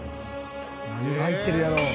何が入ってるやろう？